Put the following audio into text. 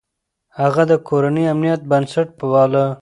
هغه د کورنۍ امنيت بنسټ باله.